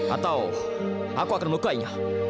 atau aku akan melukainya